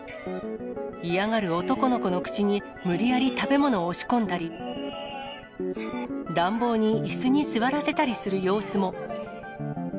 嫌がる男の子の口に、無理やり食べ物を押し込んだり、乱暴にいすに座らせたりする様子も。